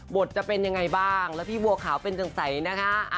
จะเป็นยังไงบ้างแล้วพี่บัวขาวเป็นจังใสนะคะ